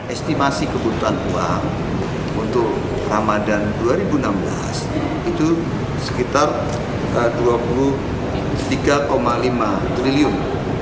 estimasi kebutuhan uang untuk ramadan dua ribu enam belas itu sekitar rp dua puluh tiga lima triliun